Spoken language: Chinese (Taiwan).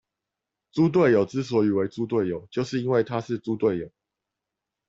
豬隊友之所以為豬隊友，就是因為他是豬隊友